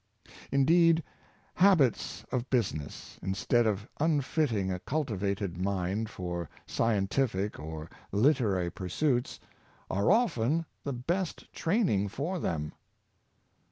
Indeed, habits of business, instead of unfitting a cul tivated mind for scientific or literary pursuits, are often the best training for them.